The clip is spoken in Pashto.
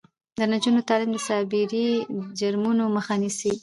د نجونو تعلیم د سایبري جرمونو مخه نیسي.